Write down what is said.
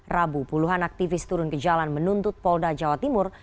rabu puluhan aktivis turun ke jalan menuntut polda jawa timur